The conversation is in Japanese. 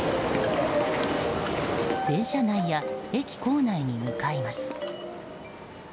電車内や駅構内に向かいます。